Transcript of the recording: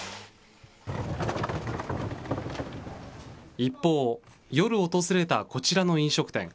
一方、夜訪れたこちらの飲食店。